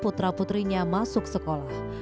putra putrinya masuk sekolah